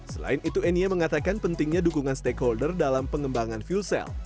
selain itu enia mengatakan pentingnya dukungan stakeholder dalam pengembangan fuel cell